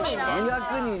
２００人に。